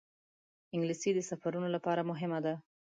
انګلیسي د سفرونو لپاره مهمه ده